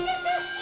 あ！